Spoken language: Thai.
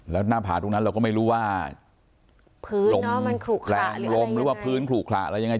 แล้วหน้าผาทุกนั้นเราก็ไม่รู้ว่าลมแรงลงหรือว่าพื้นขรุขระอะไรยังไง